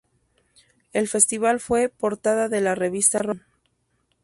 El festival fue portada de la revista "Rolling Stone".